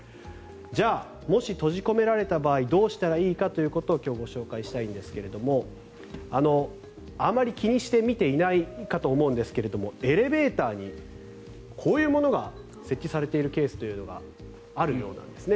じゃあもし閉じ込められた場合どうしたらいいかということを今日、ご紹介したいんですがあまり気にして見ていないかと思うんですがエレベーターにこういうものが設置されているケースがあるようなんです。